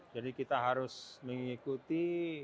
jadi kita harus mengikuti